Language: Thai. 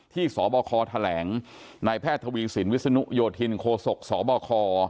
สบคแถลงนายแพทย์ทวีสินวิศนุโยธินโคศกสบค